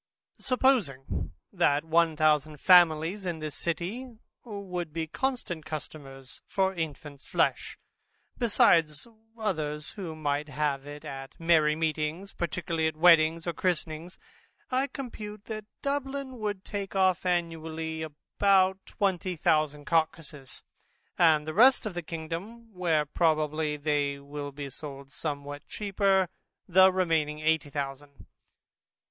Supposing that one thousand families in this city, would be constant customers for infants flesh, besides others who might have it at merry meetings, particularly at weddings and christenings, I compute that Dublin would take off annually about twenty thousand carcasses; and the rest of the kingdom (where probably they will be sold somewhat cheaper) the remaining eighty thousand.